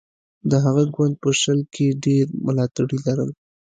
د هغه ګوند په شل کې ډېر ملاتړي لرل.